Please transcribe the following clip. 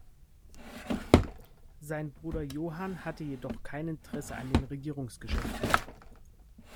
Sein Bruder Johann hatte jedoch kein Interesse an den Regierungsgeschäften.